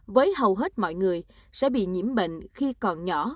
với hầu hết mọi người sẽ bị nhiễm bệnh khi còn nhỏ